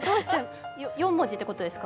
４文字っていうことですか？